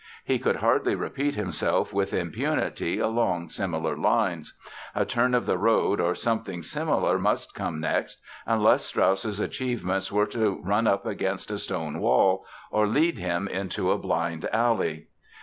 He could hardly repeat himself with impunity along similar lines. A turn of the road or something similar must come next unless Strauss's achievements were to run up against a stone wall or lead him into a blind alley.